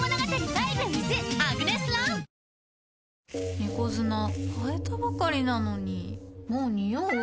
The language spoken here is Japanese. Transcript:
猫砂替えたばかりなのにもうニオう？